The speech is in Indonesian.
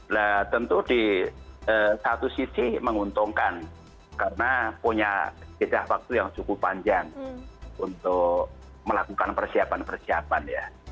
nah tentu di satu sisi menguntungkan karena punya jejak waktu yang cukup panjang untuk melakukan persiapan persiapan ya